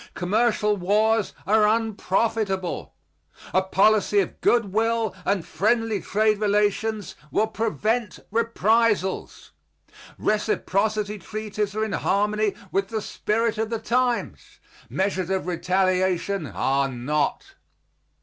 Commercial wars are unprofitable. A policy of good will and friendly trade relations will prevent reprisals. Reciprocity treaties are in harmony with the spirit of the times; measures of retaliation are not.